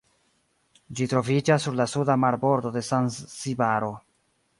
Ĝi troviĝas sur la suda marbordo de Zanzibaro.